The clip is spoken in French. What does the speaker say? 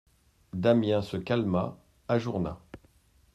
Damiens se calma, ajourna.